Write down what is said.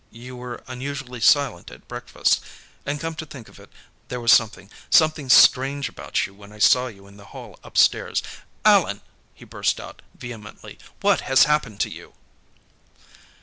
You were unusually silent at breakfast. And come to think of it, there was something ... something strange ... about you when I saw you in the hall, upstairs.... Allan!" he burst out, vehemently. "What has happened to you?"